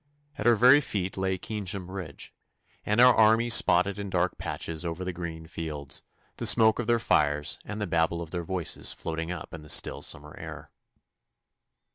At our very feet lay Keynsham Bridge, and our army spotted in dark patches over the green fields, the smoke of their fires and the babble of their voices floating up in the still summer air.